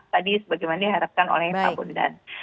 tadi sebagaimana diharapkan oleh pak bondan